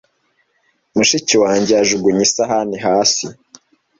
Mushiki wanjye yajugunye isahani hasi.